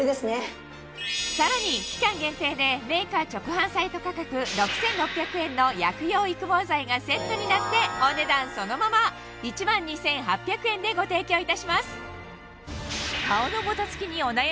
さらに期間限定でメーカー直販サイト価格６６００円の薬用育毛剤がセットになってお値段そのままでご提供いたします